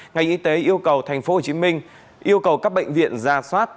ngành y tế yêu cầu tp hcm yêu cầu các bệnh viện ra soát